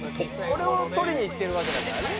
「これを撮りに行ってるわけだからね」